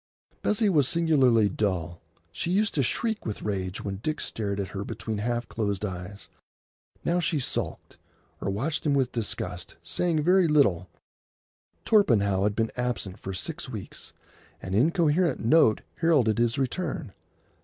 Bessie was singularly dull. She used to shriek with rage when Dick stared at her between half closed eyes. Now she sulked, or watched him with disgust, saying very little. Torpenhow had been absent for six weeks. An incoherent note heralded his return.